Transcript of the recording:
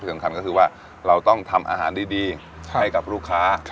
สำคัญก็คือว่าเราต้องทำอาหารดีให้กับลูกค้า